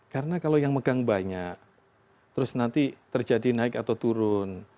karena kalau yang megang banyak terus nanti terjadi naik atau turun